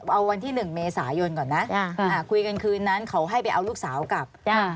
เอาวันที่๑เมษายนก่อนนะคุยกันคืนนั้นเขาให้ไปเอาลูกสาวกลับ